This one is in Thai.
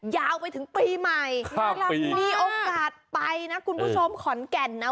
ยาวไปถึงปีใหม่มีโอกาสไปนะคุณผู้ชมขอนแก่นนะ